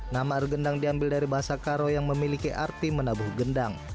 nama argendang diambil dari bahasa karo yang memiliki arti menabuh gendang